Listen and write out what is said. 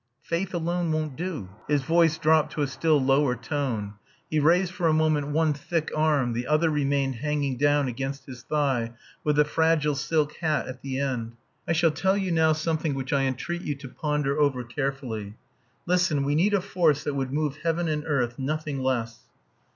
Faith alone won't do." His voice dropped to a still lower tone. He raised for a moment one thick arm; the other remained hanging down against his thigh, with the fragile silk hat at the end. "I shall tell you now something which I entreat you to ponder over carefully. Listen, we need a force that would move heaven and earth nothing less."